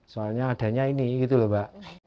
soalnya adanya ini gitu loh mbak